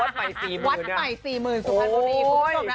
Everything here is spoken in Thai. วัดใหม่๔๐๐๐๐บาทสุภัณฑ์บุรีมุมสมนะ